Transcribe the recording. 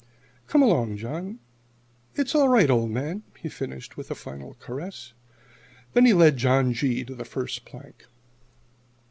"Come along, John, it's all right, old man!" he finished with a final caress. Then he led John G. to the first plank.